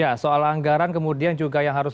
ya soal anggaran kemudian juga yang harus